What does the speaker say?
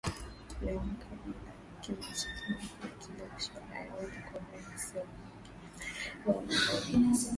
leo makabila ya Kimachame na Kikibosho hayaoani kwa urahisi na Mangi Marealle wa Marangu